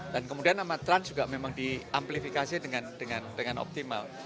dan kemudian sama trans juga memang di amplifikasi dengan optimal